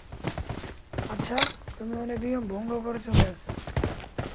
আচ্ছা, তুমি অনেক নিয়ম ভঙ্গ করেছ, মেস।